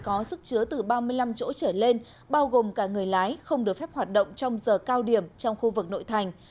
có sức chứa từ ba mươi năm chỗ trở lên bao gồm cả người lái không được phép hoạt động trong giờ cao điểm trong khu vực nội thành